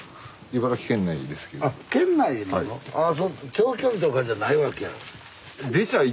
長距離とかじゃないわけや。